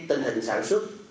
tình hình sản xuất